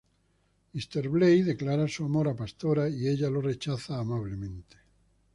Míster Blay declara su amor a Pastora y ella lo rechaza amablemente.